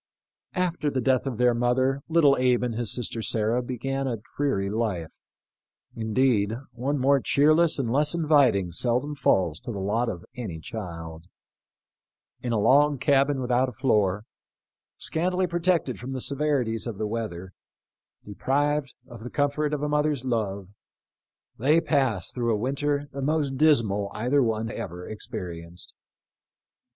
After the death of their mother little Abe and his sister Sarah began a dreary life — indeed, one more cheerless and less inviting seldom falls to the lot of any child. In a log cabin without a floor, scantily protected from the severities of the weather, deprived of the comfort of a mother's love, they passed through a winter the most dismal either one ever experienced.